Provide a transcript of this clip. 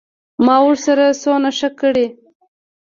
ما ورسره څونه ښه کړي.